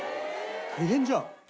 大変じゃん。